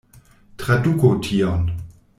Traduku tion!